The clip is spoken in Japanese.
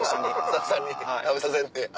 スタッフさんに食べさせんねや。